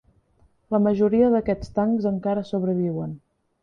La majoria d'aquests tancs encara sobreviuen.